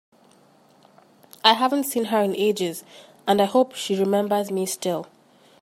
I haven’t seen her in ages, and I hope she remembers me still!